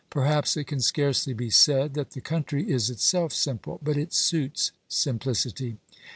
Perhaps it can scarcely be said that the country is itself simple, but it suits simplicity.